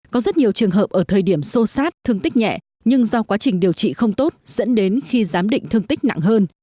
có rất nhiều trường hợp ở thời điểm xô xát thương tích nhẹ nhưng do quá trình điều trị không tốt dẫn đến khi giám định thương tích nặng hơn